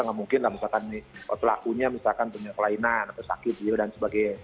nggak mungkin lah misalkan pelakunya misalkan penyelainan atau sakit dan sebagainya